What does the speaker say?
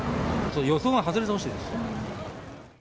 予想が外れてほしいです。